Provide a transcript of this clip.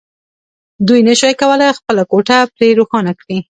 دوی نشوای کولای خپله کوټه پرې روښانه کړي